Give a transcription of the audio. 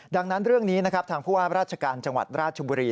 ดังนั้นเรื่องนี้นะครับทางผู้ว่าราชการจังหวัดราชบุรี